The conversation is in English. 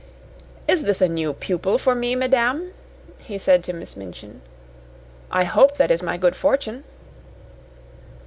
"Is this a new pupil for me, madame?" he said to Miss Minchin. "I hope that is my good fortune."